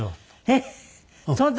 えっ？